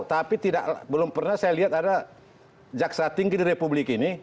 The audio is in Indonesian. tapi belum pernah saya lihat ada jaksa tinggi di republik ini